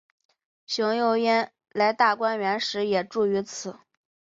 邢岫烟来大观园时也住于此。